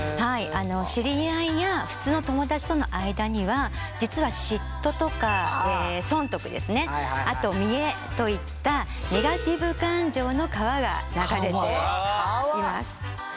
知り合いや普通の友だちとの間には実は嫉妬とか損得ですねあと見栄といったネガティブ感情の川が流れています。